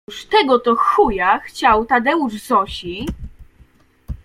Otóż tego to chuja chciał Tadeusz Zosi